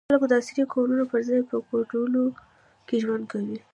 خلک د عصري کورونو پر ځای په کوډلو کې ژوند کوي.